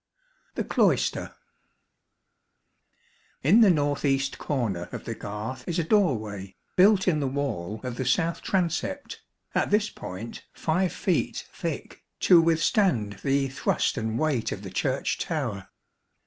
The Cloister. In the north east corner of the garth is a doorway, built in the wall of the south transept, at this point 5 feet thick, to withstand the thrust and weight of the Church tower.